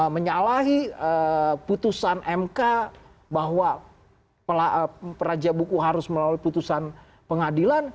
menyalahi putusan mk bahwa peraja buku harus melalui putusan pengadilan